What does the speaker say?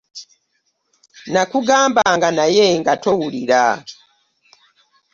Nakugamba naye nga towulira.